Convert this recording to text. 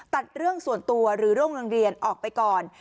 ตัดเรื่องส่วนตัวหรือเรื่องโรงเรียนออกไปก่อน